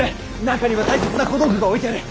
中には大切な小道具が置いてある。